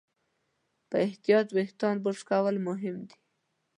په احتیاط وېښتيان برس کول مهم دي.